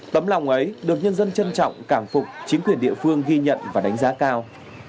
tấm lòng ấy được nhân dân trân trọng cảm phục chính quyền địa phương ghi nhận và đánh giá cao